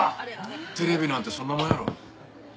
テレビなんてそんなもんやろ。